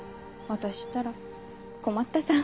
私ったら困ったさん。